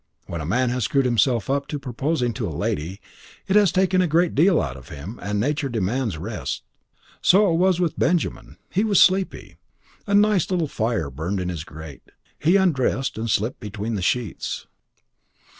When a man has screwed himself up to proposing to a lady, it has taken a great deal out of him, and nature demands rest. It was so with Benjamin; he was sleepy. A nice little fire burned in his grate. He undressed and slipped between the sheets.